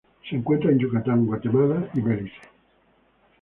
Se encuentran en Yucatán, Guatemala y Belice.